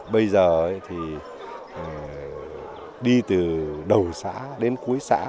bây giờ thì đi từ đầu xã đến cuối xã